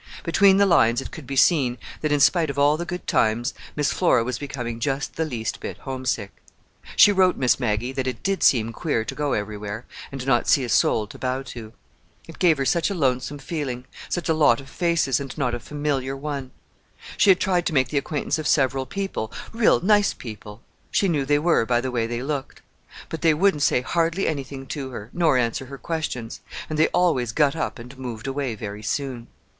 Between the lines it could be seen that in spite of all the good times, Miss Flora was becoming just the least bit homesick. She wrote Miss Maggie that it did seem queer to go everywhere, and not see a soul to bow to. It gave her such a lonesome feeling—such a lot of faces, and not one familiar one! She had tried to make the acquaintance of several people—real nice people; she knew they were by the way they looked. But they wouldn't say hardly anything to her, nor answer her questions; and they always got up and moved away very soon.